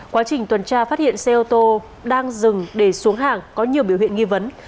quá trình tuần tra phát hiện xe ô tô đang dừng để xuống hàng có nhiều biểu hiện nghi vấn